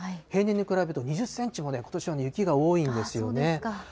平年に比べて２０センチもね、ことしは雪が多いんですよね。